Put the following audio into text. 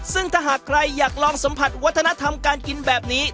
ซึ่งถ้าหากใครอยากลองสัมผัสวัฒนธรรมการกินแบบนี้